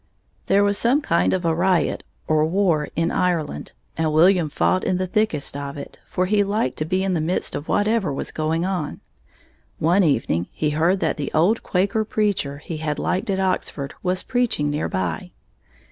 There was some kind of a riot or war in Ireland, and William fought in the thickest of it, for he liked to be in the midst of whatever was going on. One evening he heard that the old Quaker preacher he had liked at Oxford was preaching near by.